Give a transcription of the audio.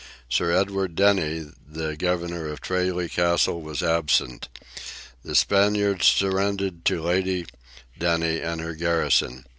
Sir Edward Denny, the Governor of Tralee Castle, was absent. The Spaniards surrendered to Lady Denny and her garrison.